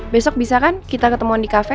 besok bisa kan kita ketemuan di kafe